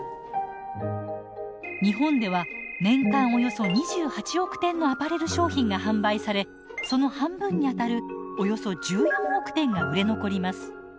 日本では年間およそ２８億点のアパレル商品が販売されその半分にあたるおよそ１４億点が売れ残ります。